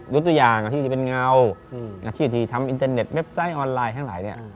ตัวอย่างอาชีพที่เป็นเงาอาชีพที่ทำอินเทอร์เน็บไซต์ออนไลน์ทั้งหลายเนี่ย